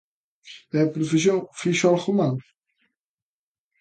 E a profesión fixo algo mal?